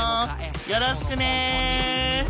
よろしくね！